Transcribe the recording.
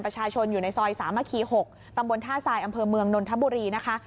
ประชาชนอยู่ในซอยสามัคคี๖ตำบลท่าทรายอำเภอเมืองนนทบุรีนะคะ